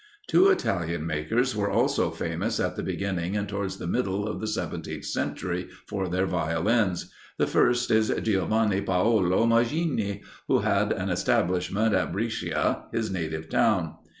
Two Italian makers were also famous at the beginning and towards the middle of the seventeenth century for their Violins: the first is Giovanni Paolo Maggini, who had an establishment at Brescia, his native town.